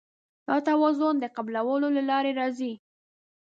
دا توازن د قبلولو له لارې راځي.